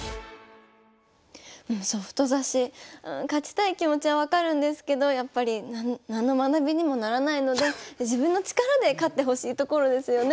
ソフト指し勝ちたい気持ちは分かるんですけどやっぱり何の学びにもならないので自分の力で勝ってほしいところですよね。